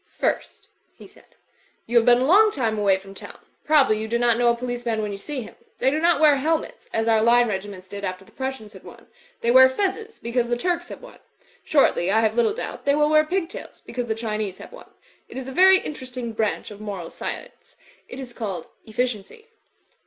'Tirst," he said, "y^ti have been a long time away from town. Probably you do not know a policemsb when you see him. They do not wear helmets, as our line regiments did after the Prussians had won. They wear f ezzes, because the Turks have won. Shortly, I have little doubt, they will wear pigtails, because the Chinese have won. It is a very interesting branch of moral science. It is called Efficiency.